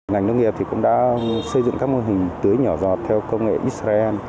ngành nông nghiệp cũng đã xây dựng các mô hình tưới nhỏ giọt theo công nghệ israel